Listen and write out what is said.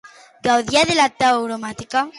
Gaudia de la tauromàquia?